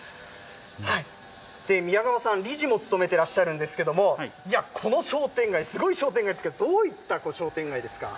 宮川さん、理事も務めていらっしゃるんですけど、いや、この商店街、すごい商店街ですけど、どういった商店街ですか？